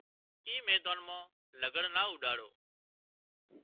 اي ميدان مان لگھڙ نا اوڏاڙو